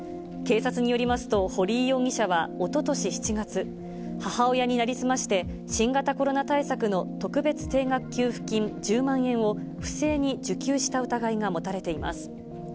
警察によりますと、堀井容疑者はおととし７月、母親に成り済まして、新型コロナ対策の特別定額給付金１０万円を、不正に受給した疑いが持たれています。